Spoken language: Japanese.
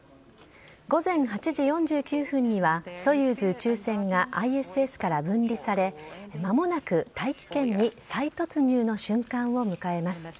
午前８時４９分には、ソユーズ宇宙船がＩＳＳから分離され、まもなく大気圏に再突入の瞬間を迎えます。